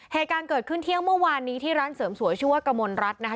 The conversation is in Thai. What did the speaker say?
เหตุการณ์เกิดขึ้นเที่ยงเมื่อวานนี้ที่ร้านเสริมสวยชื่อว่ากระมวลรัฐนะคะ